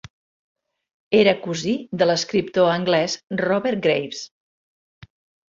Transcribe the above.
Era cosí de l'escriptor anglès Robert Graves.